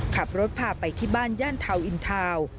ขับรถพาไปที่บ้านย่านทาวนอินทาวน์